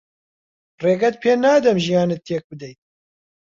ڕێگەت پێ نادەم ژیانت تێک بدەیت.